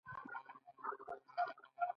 د شپې ډوډۍ باید سپکه وي